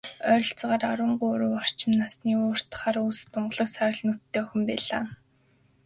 Ойролцоогоор арван гурав орчим насны, урт хар үс, тунгалаг саарал нүдтэй охин байлаа.